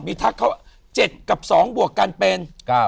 มีทักเขา๗กับ๒บวกกันเป็น